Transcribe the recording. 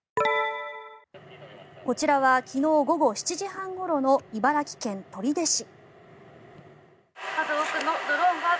こちらは昨日午後７時半ごろの茨城県取手市。